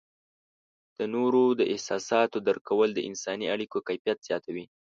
د نورو د احساساتو درک کول د انسانی اړیکو کیفیت زیاتوي.